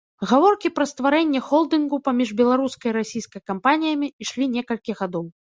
Гаворкі пра стварэнне холдынгу паміж беларускай і расійскай кампаніямі ішлі некалькі гадоў.